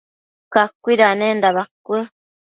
cacuidanenda bacuë